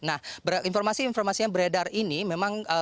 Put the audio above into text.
nah informasi informasi yang beredar ini memang